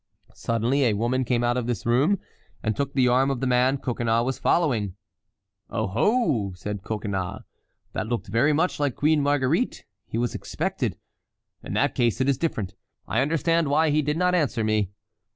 Suddenly a woman came out of this room and took the arm of the man Coconnas was following. "Oh! oh!" said Coconnas, "that looked very much like Queen Marguerite. He was expected. In that case it is different. I understand why he did not answer me."